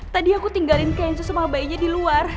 tadi aku tinggalin kence sama bayinya di luar